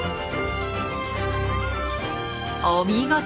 お見事！